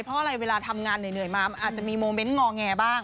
เพราะอะไรเวลาทำงานเหนื่อยมามันอาจจะมีโมเมนต์งอแงบ้าง